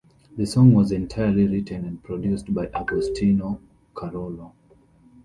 The song was entirely written and produced by Agostino Carollo.